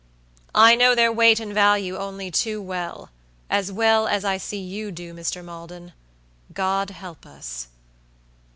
"I know their weight and value only too wellas well as I see you do, Mr. Maldon. God help us!"